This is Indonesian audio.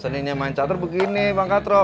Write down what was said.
seninnya main catur begini pak katro